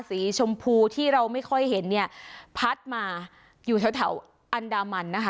สีชมพูที่เราไม่ค่อยเห็นเนี่ยพัดมาอยู่แถวอันดามันนะคะ